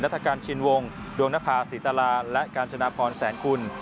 นัฐการณ์ชินวงศ์ดวงนภาษศรีตราและกาญจนพรแสนคุณ